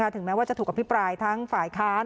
ถึงแม้ว่าจะถูกอภิปรายทั้งฝ่ายค้าน